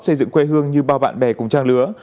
xây dựng quê hương như bao bạn bè cùng trang lứa